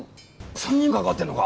３人も関わってんのか？